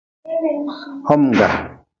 Homga.